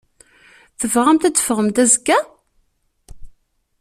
Tebɣamt ad teffɣemt azekka?